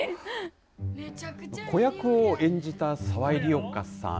子役を演じた澤井梨丘さん。